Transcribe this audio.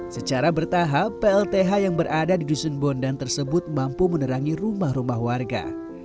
secara bertahap plth yang berada di dusun bondan tersebut mampu menerangi rumah rumah warga